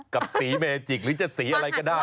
กับสีเมจิกหรือจะสีอะไรก็ได้